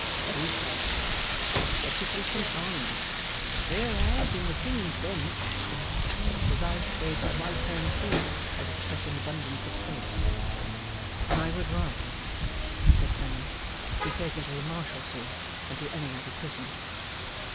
Very close. Excessively confined. Whereas in the King's Bench ' Mr Rugg waved his right hand freely, as expressing abundance of space. 'I would rather,' said Clennam, 'be taken to the Marshalsea than to any other prison.